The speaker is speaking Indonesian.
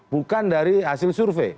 bukan dari hasil survei